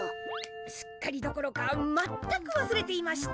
すっかりどころか全くわすれていました。